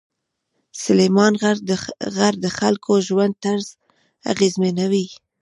سلیمان غر د خلکو ژوند طرز اغېزمنوي.